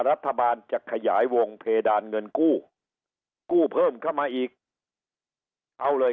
รัฐบาลจะขยายวงเพดานเงินกู้กู้เพิ่มเข้ามาอีกเอาเลย